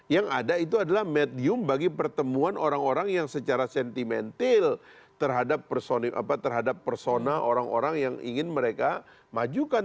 yang ada itu adalah medium bagi pertemuan orang orang yang secara sentimental terhadap persona orang orang yang ingin mereka majukan